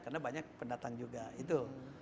karena banyak pendatang juga itu